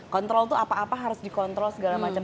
control tuh apa apa harus dikontrol segala macam